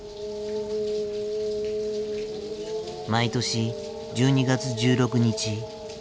毎年１２月１６日。